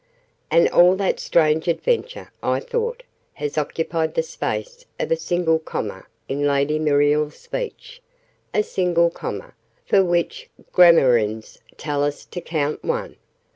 "And all that strange adventure," I thought, "has occupied the space of a single comma in Lady Muriel's speech! A single comma, for which grammarians tell us to 'count one'!"